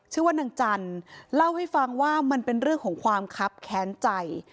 ชื่อว่านางจันทร์เล่าให้ฟังว่ามันเป็นเรื่องของความคับแค้นใจ